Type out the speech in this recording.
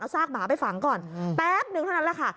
ซากหมาไปฝังก่อนแป๊บนึงเท่านั้นแหละค่ะ